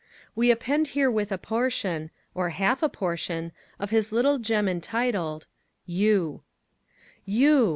We append herewith a portion, or half portion, of his little gem entitled YOU You!